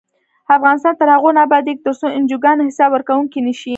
افغانستان تر هغو نه ابادیږي، ترڅو انجوګانې حساب ورکوونکې نشي.